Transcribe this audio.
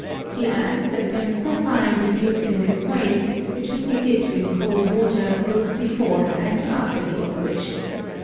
He adds that when a sapphire was used in this way it should be dipped in cold water both before and after the operation.